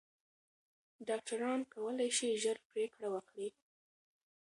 ډاکټران کولی شي ژر پریکړه وکړي.